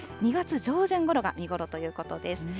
２月上旬ごろが見頃ということです。